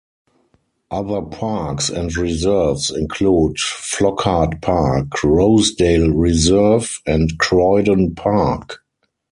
Other parks and reserves include Flockhart Park, Rosedale Reserve and Croydon Park.